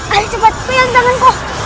ayo cepat pilih tanganku